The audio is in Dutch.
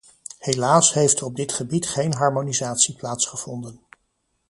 Helaas heeft er op dit gebied geen harmonisatie plaatsgevonden.